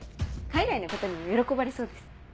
海外の方にも喜ばれそうです。